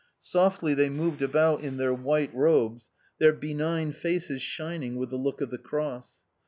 Softly they moved about in their white robes, their benign faces shining with the look of the Cross.